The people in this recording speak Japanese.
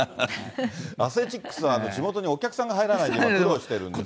アスレチックスは、地元にお客さんが入らないんで苦労してるんですよね。